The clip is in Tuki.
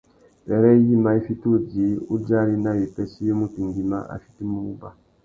Wêrê yïmá i fiti udjï udjari nà wipêssê iwí mutu nguimá a fitimú wuba.